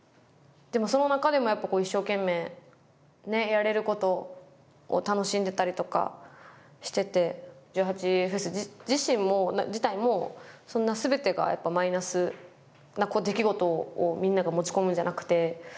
でもその中でもやっぱ一生懸命やれることを楽しんでたりとかしてて１８祭自体もそんな全てがマイナスな出来事をみんなが持ち込むんじゃなくて。